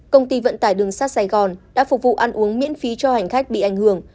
công ty vận tải đường sắt sài gòn đã phục vụ ăn uống miễn phí cho hành khách bị ảnh hưởng